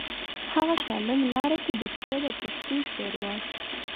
هغه سالنګ لاره کې د پسه د پښتۍ ښوروا.